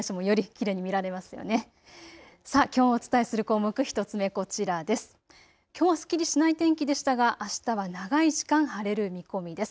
きょうはすっきりしない天気でしたがあしたは長い時間晴れる見込みです。